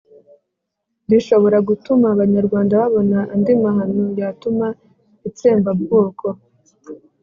rishobora gutuma abanyarwanda babona andi mahano yatuma itsembabwoko.